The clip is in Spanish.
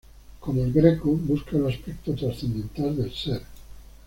Como El Greco, busca el aspecto trascendental del ser.